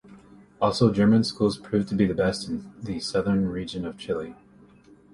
Also German schools proved to be the best in the Southern region of Chile.